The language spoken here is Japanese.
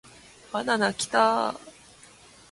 バナナキターーーーーー